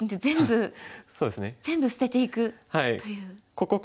全部全部捨てていくという。